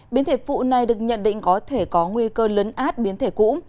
việc vụ này được nhận định có thể có nguy cơ lấn át biến thể cũ